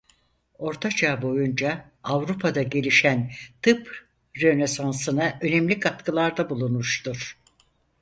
Ortaçağ boyunca Avrupa'da gelişen tıp rönesansına önemli katkılarda bulunmuştur.